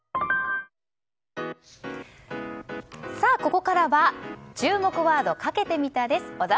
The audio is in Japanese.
ここからは注目ワードかけてみたです。